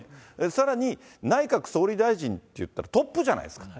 さらに、内閣総理大臣っていったら、トップじゃないですか。